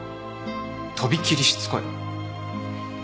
飛び切りしつこい。